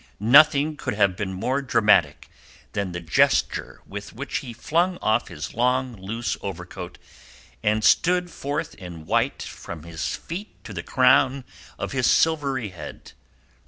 Nothing could have been more dramatic than the gesture with which he flung off his long loose overcoat, and stood forth in white from his feet to the crown of his silvery head.